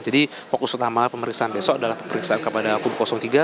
jadi fokus utama pemeriksaan besok adalah pemeriksaan kepada kubu tiga